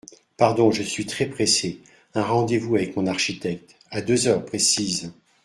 Pardon, je suis très pressé… un rendez-vous avec mon architecte… à deux heures précises…